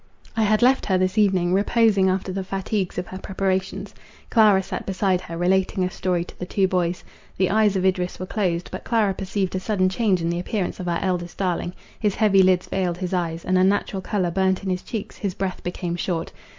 I had left her this evening, reposing after the fatigues of her preparations. Clara sat beside her, relating a story to the two boys. The eyes of Idris were closed: but Clara perceived a sudden change in the appearance of our eldest darling; his heavy lids veiled his eyes, an unnatural colour burnt in his cheeks, his breath became short.